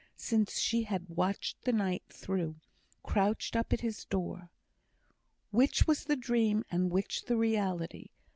since she had watched the night through, crouched up at his door. Which was the dream and which the reality?